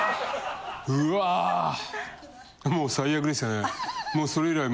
・うわぁ・もう最悪ですよね。